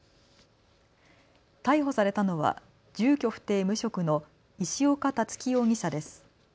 逮捕されたのは住居不定、無職の石岡樹容疑者です。